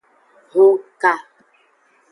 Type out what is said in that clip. Hunka.